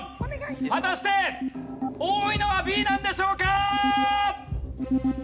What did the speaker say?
果たして多いのはＢなんでしょうか？